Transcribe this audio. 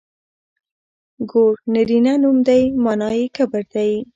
ګور نرينه نوم دی مانا يې کبر دی.